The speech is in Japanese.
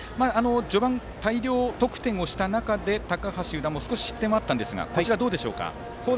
序盤、大量得点をした中で高橋、湯田も少し失点はありましたがこちらはどうでしょうか。